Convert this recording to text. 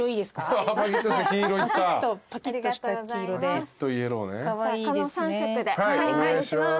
はいお願いします。